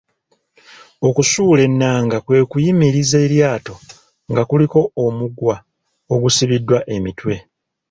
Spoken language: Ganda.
Okusuula ennanga kwe kuyimiriza eryato nga kuliko omuguwa ogusibiddwa emitwe.